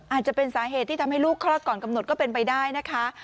อาจจะเป็นสาเหตุที่ทำให้ลูกคลอดก่อนกำหนดก็เป็นไปได้นะคะ